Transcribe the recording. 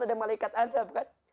ada malaikat adab kan